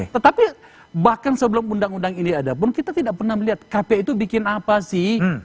tetapi bahkan sebelum undang undang ini ada pun kita tidak pernah melihat kpu itu bikin apa sih